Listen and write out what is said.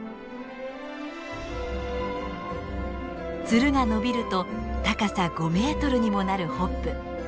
ツルが伸びると高さ５メートルにもなるホップ。